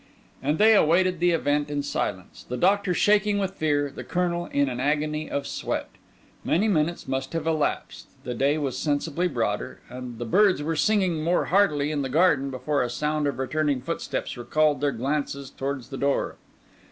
And they awaited the event in silence, the Doctor shaking with fear, the Colonel in an agony of sweat. Many minutes must have elapsed, the day was sensibly broader, and the birds were singing more heartily in the garden before a sound of returning footsteps recalled their glances towards the door.